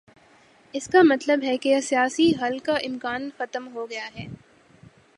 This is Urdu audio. اس کا مطلب ہے کہ سیاسی حل کا امکان ختم ہو گیا ہے۔